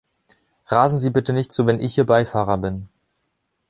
Rasen Sie bitte nicht so, wenn ich Ihr Beifahrer bin!